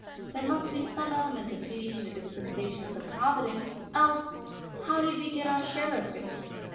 ] There must be some element of pity in the dispensations of Providence, else how did we get our share of it?